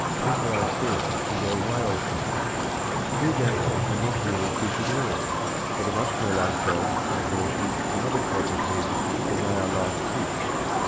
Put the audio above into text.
People are said to go whale fishing. Yet these animals are not really fish at all, but are much more like dogs and horses and other quadrupeds than they are like fish.